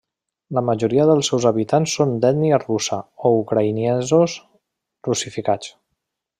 La majoria dels seus habitants són d'ètnia russa o ucraïnesos russificats.